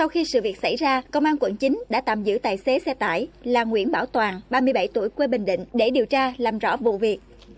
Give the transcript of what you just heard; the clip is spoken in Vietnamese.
khi sự việc xảy ra công an quận chín đã tạm giữ tài xế xe tải là nguyễn bảo toàn ba mươi bảy tuổi quê bình định để điều tra làm rõ vụ việc